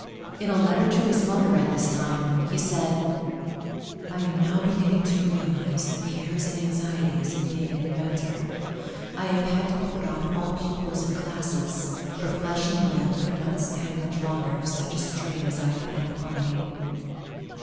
In a letter to his mother at this time, he said: I am now beginning to realize the cares and anxieties of being an inventor. I have had to put off all pupils and classes, for flesh and blood could not stand much longer such a strain as I have had upon me.